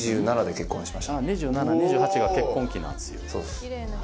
２７２８が結婚期なんですよ。